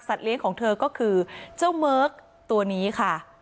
เลี้ยงของเธอก็คือเจ้าเมิร์กตัวนี้ค่ะ